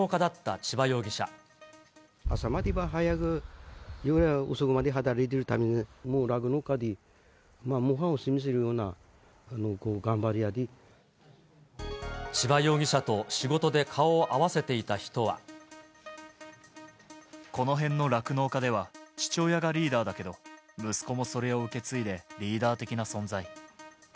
千葉容疑者と仕事で顔を合わこの辺の酪農家では、父親がリーダーだけど、息子もそれを受け継いでリーダー的な存在。